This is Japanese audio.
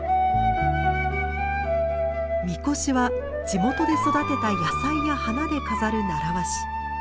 神輿は地元で育てた野菜や花で飾る習わし。